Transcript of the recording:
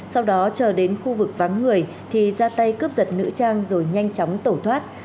sau đó chờ đến khu vực vắng người thì ra tay cướp giật nữ trang rồi nhanh chóng tẩu thoát